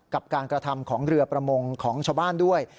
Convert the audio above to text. กับการกระทำของเรือประมงของชาวบ้านด้วย